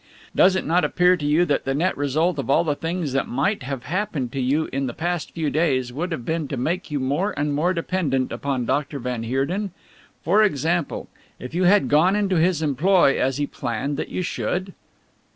Does it not appear to you that the net result of all the things that might have happened to you in the past few days would have been to make you more and more dependent upon Doctor van Heerden? For example, if you had gone into his employ as he planned that you should?"